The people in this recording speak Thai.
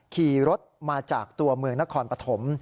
ขี่รถมาจากตัวเมืองนครปฐม